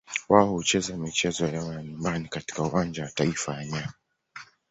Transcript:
Wao hucheza michezo yao ya nyumbani katika Uwanja wa Taifa wa nyayo.